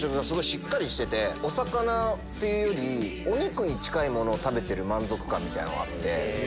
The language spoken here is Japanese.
しっかりしててお魚っていうよりお肉に近いものを食べてる満足感みたいのがあって。